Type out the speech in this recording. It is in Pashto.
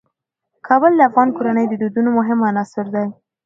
کابل د افغان کورنیو د دودونو مهم عنصر دی.